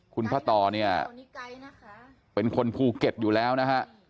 พ่อต่อเนี่ยเป็นคนภูเก็ตอยู่แล้วนะฮะ